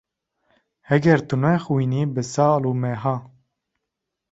Heger tu nexwînî bi sal û meha.